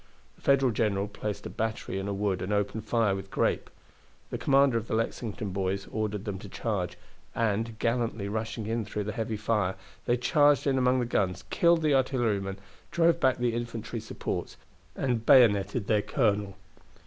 The Federal general placed a battery in a wood and opened fire with grape. The commander of the Lexington boys ordered them to charge, and, gallantly rushing in through the heavy fire, they charged in among the guns, killed the artillerymen, drove back the infantry supports, and bayoneted their colonel.